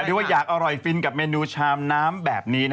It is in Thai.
เรียกว่าอยากอร่อยฟินกับเมนูชามน้ำแบบนี้